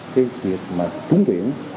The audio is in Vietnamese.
cái việc mà chúng tuyển